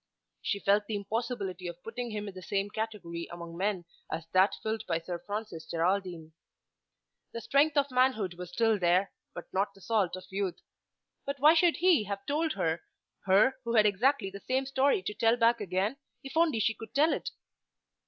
She felt the impossibility of putting him in the same category among men as that filled by Sir Francis Geraldine. The strength of manhood was still there, but not the salt of youth. But why should he have told her, her who had exactly the same story to tell back again, if only she could tell it?